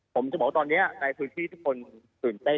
ผมจะบอกว่าตอนนี้ในพื้นที่ทุกคนตื่นเต้น